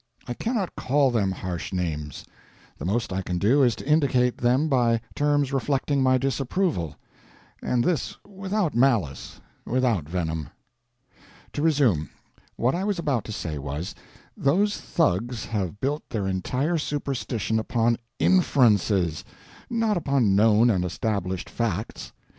I cannot call them harsh names; the most I can do is to indicate them by terms reflecting my disapproval; and this without malice, without venom. To resume. What I was about to say was, those thugs have built their entire superstition upon inferences, not upon known and established facts.